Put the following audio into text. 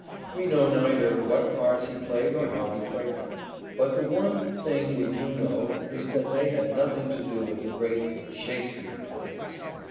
We know neither what parts he played nor how he played them ; but the one thing we do know is that they had nothing to do with the great " Shakespeare " plays.